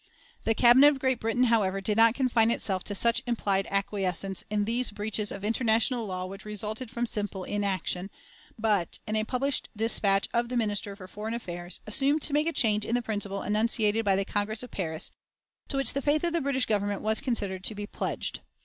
The Cabinet of Great Britain, however, did not confine itself to such implied acquiescence in these breaches of international law which resulted from simple inaction, but, in a published dispatch of the Minister for Foreign Affairs, assumed to make a change in the principle enunciated by the Congress of Paris, to which the faith of the British Government was considered to be pledged.